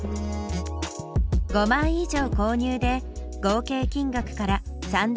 ５枚以上購入で合計金額から３５００円引き。